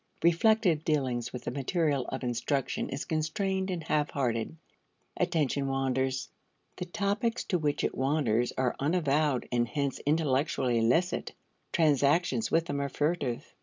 Reflective dealings with the material of instruction is constrained and half hearted; attention wanders. The topics to which it wanders are unavowed and hence intellectually illicit; transactions with them are furtive.